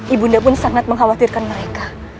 ibu nda pun sangat mengkhawatirkan mereka